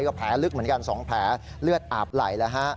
ก็แผลลึกเหมือนกัน๒แผลเลือดอาบไหล่แล้วฮะ